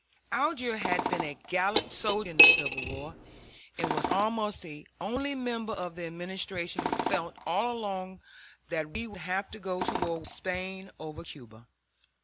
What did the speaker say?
Alger had been a gallant soldier in the Civil War, and was almost the only member of the Administration who felt all along that we would have to go to war with Spain over Cuba.